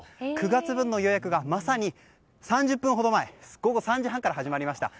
９月分の予約がまさに３０分ほど前午後３時半から始まりました。